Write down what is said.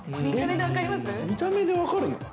◆見た目で分かるの？